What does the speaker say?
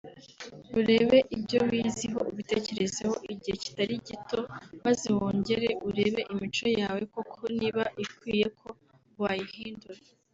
urebe ibyo wiyiziho ubitekerezeho igihe kitari gito maze wongere urebe imico yawe koko niba ikwiye ko wayihindura